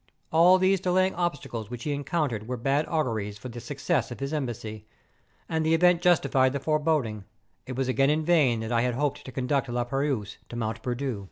All these delaying obstacles which he encountered were bad auguries for the success of his embassy: and the event justified the foreboding, it was again in vain that I had hoped to conduct La Peyrouse to Mont Perdu.